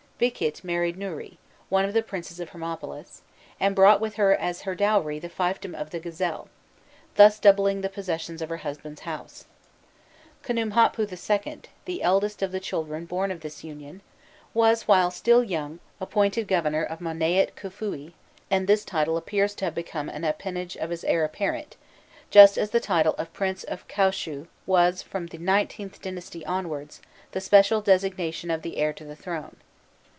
Biqît married Nûhri, one of the princes of Hermopolis, and brought with her as her dowry the fiefdom of the Gazelle, thus doubling the possessions of her husband's house. Khnûmhotpû II., the eldest of the children born of this union, was, while still young, appointed Governor of Monâît Khûfuî, and this title appears to have become an appanage of his heir apparent, just as the title of "Prince of Kaûshû" was, from the XIXth dynasty onwards, the special designation of the heir to the throne.